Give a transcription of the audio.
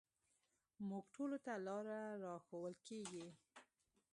موږ ټولو ته لاره راښوول کېږي.